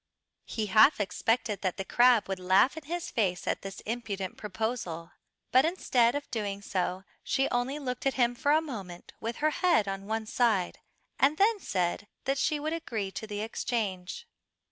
He half expected that the crab would laugh in his face at this impudent proposal, but instead of doing so she only looked at him for a moment with her head on one side and then said that she would agree to the exchange.